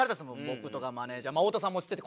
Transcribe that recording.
僕とかマネジャー太田さんも知ってて。